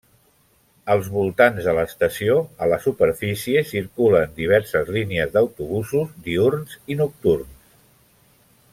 Als voltants de l'estació, a la superfície circulen diverses línies d'autobusos diürns i nocturns.